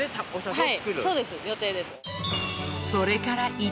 はい。